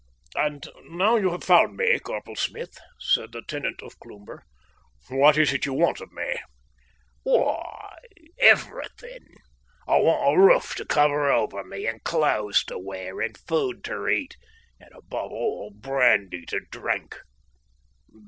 "And now you have found me, Corporal Smith," said the tenant of Cloomber, "what is it that you want of me?" "Why, everything. I want a roof to cover me, and clothes to wear, and food to eat, and, above all, brandy to drink."